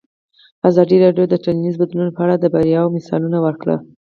ازادي راډیو د ټولنیز بدلون په اړه د بریاوو مثالونه ورکړي.